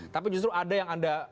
tapi justru ada yang anda